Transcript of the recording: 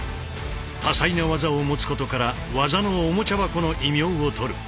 多彩な技を持つことから「技のおもちゃ箱」の異名をとる。